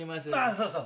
そうそう。